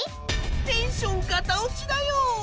テンションガタ落ちだよ。